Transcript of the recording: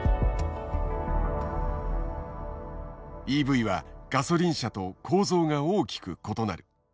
ＥＶはガソリン車と構造が大きく異なる。